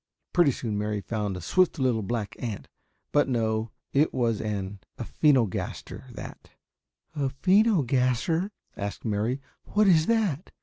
Pretty soon Mary found a swift little black ant. But, no, it was an Aphænogaster that "A feeno gasser?" asks Mary. "What is that?"